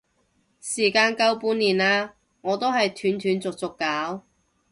時間夠半年啦，我都係斷斷續續搞